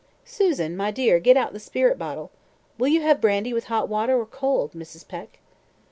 Susan, my dear, get out the spirit bottle. Will you have brandy with hot water or cold, Mrs. Peck?"